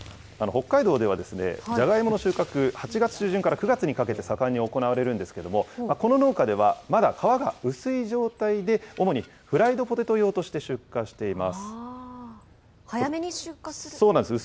北海道ではジャガイモの収穫、８月中旬から９月にかけて盛んに行われるんですけれども、この農家では、まだ皮が薄い状態で、主にフライドポテト用として出荷し早めに出荷する？